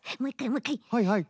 はいはい。